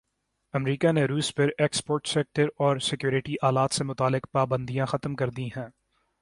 امریکا نے روس پرایکسپورٹ سیکٹر اور سیکورٹی آلات سے متعلق پابندیاں ختم کردی ہیں